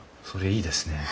それいいですね。